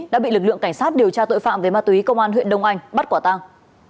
đã bị lực lượng cảnh sát điều tra tội phạm về ma túy công an huyện đông anh bắt quả tang